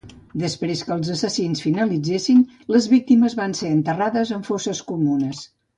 Després que els assassinats finalitzessin, les víctimes van ser enterrades en fosses comuns.